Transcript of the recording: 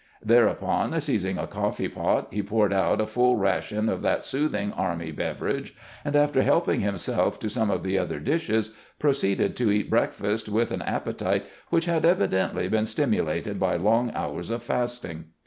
Thereupon seizing a coffee pot, he poured out a fuU ration of that soothing army beverage, and, after helping himself to some of 48 CAMPAIGNING WITH GKANT the otlier dishes, proceeded to eat breakfast with an appetite which had evidently been stimulated by long hours of fasting.